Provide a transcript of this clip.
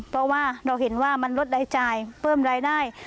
เพราะว่าเราเห็นว่ามันลดรายจ่ายเพิ่มรายได้